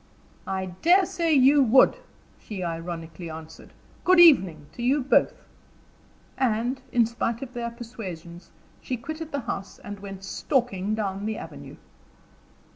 "I dare say you would," she ironically answered. "Good evening to you both." And, in spite of their persuasions, she quitted the house and went stalking down the avenue.